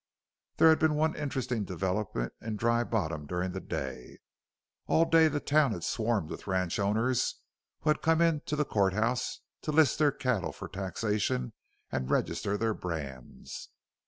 There had been one interesting development in Dry Bottom during the day. All day the town had swarmed with ranch owners who had come in to the court house to list their cattle for taxation and register their brands.